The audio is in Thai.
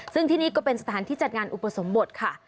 ซึ่งที่นี่ก็เป็นสถานที่จัดงานอุปสมบทค่ะ